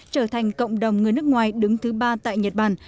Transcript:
trở thành cộng đồng người nước ngoài đứng thứ ba tại nhật bản